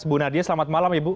bu nadia selamat malam ibu